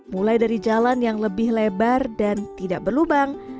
mulai dari jalan yang lebih lebar dan tidak berlubang